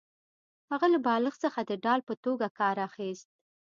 هغه له بالښت څخه د ډال په توګه کار اخیست